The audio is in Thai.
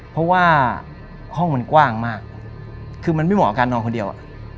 เพราะว่าห้องมันกว้างมากคือมันไม่เหมาะกับการนอนคนเดียวอ่ะ